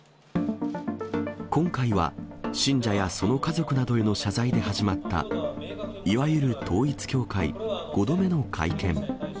今回は、信者やその家族などへの謝罪で始まった、いわゆる統一教会、５度目の会見。